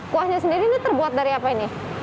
kuahnya sendiri ini terbuat dari apa ini